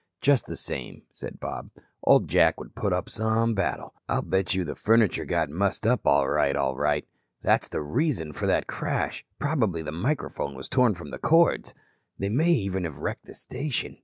"Just the same," said Bob, "old Jack would put up some battle. I'll bet you the furniture got mussed up all right, all right. That's the reason for that crash. Probably the microphone was torn from the cords. They may even have wrecked the station.